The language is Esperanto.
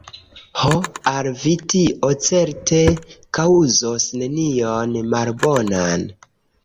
Ho, al vi tio certe kaŭzos nenion malbonan!